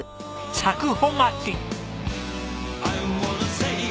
佐久穂町！